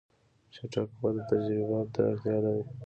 چټک وده تجربه ته اړتیا لري.